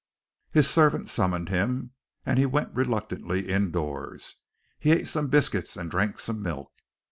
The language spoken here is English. His servant summoned him, and he went reluctantly indoors. He ate some biscuits and drank some milk.